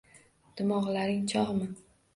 — Dimog‘laring chog‘mi?